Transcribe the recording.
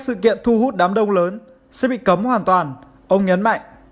hoa rượu hành hay các sự kiện thu hút đám đông lớn sẽ bị cấm hoàn toàn ông nhấn mạnh